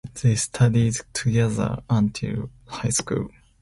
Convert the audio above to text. They studied together until high school.